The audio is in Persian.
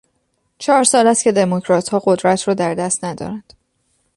چهار سال است که دموکراتها قدرت را در دست ندارند.